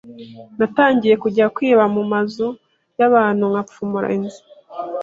Natangiye kujya kwiba mu mazu y’abantu nkapfumura inzu